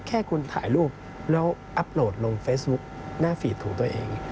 แค่คุณถ่ายรูปแล้วอัพโหลดลงเฟซบุ๊คหน้าฟีดของตัวเอง